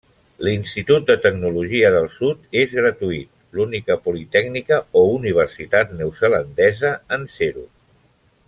L'Institut de Tecnologia del Sud és gratuït, l'única politècnica o universitat neozelandesa en ser-ho.